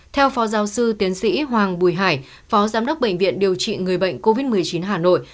theo phó giáo sư tiến sĩ hoàng bùi hải phó giám đốc bệnh viện điều trị người bệnh covid một mươi chín hà nội